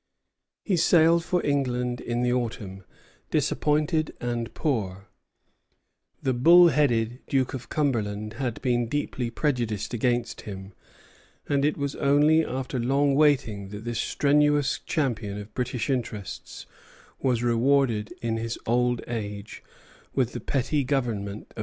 He sailed for England in the autumn, disappointed and poor; the bull headed Duke of Cumberland had been deeply prejudiced against him, and it was only after long waiting that this strenuous champion of British interests was rewarded in his old age with the petty government of the Bahamas.